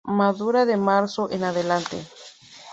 Madura de marzo en adelante.